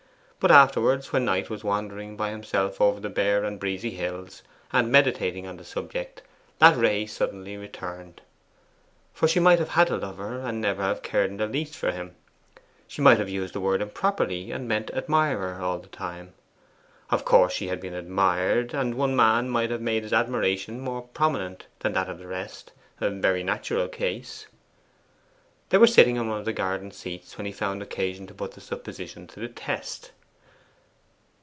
But afterwards, when Knight was wandering by himself over the bare and breezy hills, and meditating on the subject, that ray suddenly returned. For she might have had a lover, and never have cared in the least for him. She might have used the word improperly, and meant 'admirer' all the time. Of course she had been admired; and one man might have made his admiration more prominent than that of the rest a very natural case. They were sitting on one of the garden seats when he found occasion to put the supposition to the test.